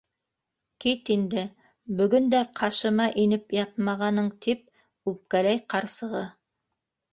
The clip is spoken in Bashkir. Кит инде, бөгөн дә ҡашыма инеп ятмағаның, - тип үпкәләй ҡарсығы.